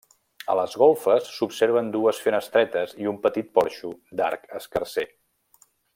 A les golfes s'observen dues finestretes i un petit porxo d'arc escarser.